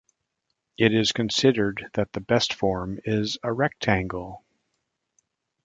It is considered that the best form is a rectangle.